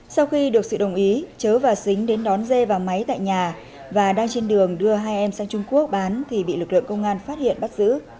sau khi được sự đồng ý chớ và xính đến đón dê vào máy tại nhà và đang trên đường đưa hai em sang trung quốc bán thì bị lực lượng công an phát hiện bắt giữ